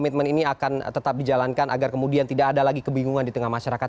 dan ini akan tetap dijalankan agar kemudian tidak ada lagi kebingungan di tengah masyarakat